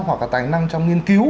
hoặc là tài năng trong nghiên cứu